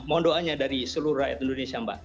mohon doanya dari seluruh rakyat indonesia mbak